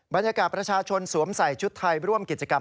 บรรยากาศประชาชนสวมใส่ชุดไทยร่วมกิจกรรม